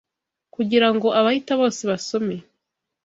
kugirango abahita bose basome